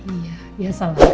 iya biasa lah